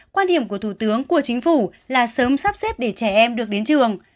quan điểm của thủ tướng của chính phủ là sớm sắp xếp để trẻ em được đến trường